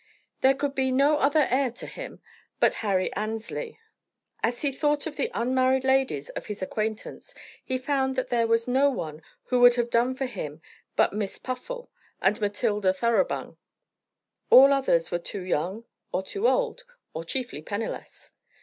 There could be no other heir to him but Harry Annesley. As he thought of the unmarried ladies of his acquaintance, he found that there was no one who would have done for him but Miss Puffle and Matilda Thoroughbung. All others were too young or too old, or chiefly penniless.